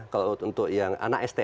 kalau untuk yang anak st